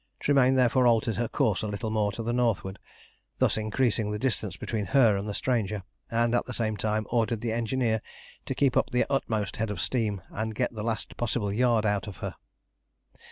Tremayne therefore altered her course a little more to the northward, thus increasing the distance between her and the stranger, and at the same time ordered the engineer to keep up the utmost head of steam, and get the last possible yard out of her.